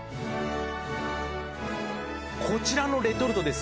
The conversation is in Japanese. こちらのレトルトですね